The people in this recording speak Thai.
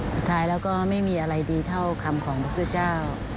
สุดท้ายแล้วก็ไม่มีอะไรดีเท่าคำของพระพุทธเจ้า